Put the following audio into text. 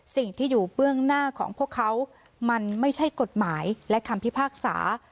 สิ่งที่อยู่เบื้องหน้าของพวกเขามันไม่ใช่กฎหมายและคำพิพากษา